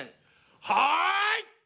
はい！